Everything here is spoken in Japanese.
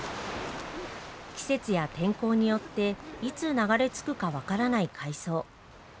季節や天候によって、いつ流れ着くか分からない海藻。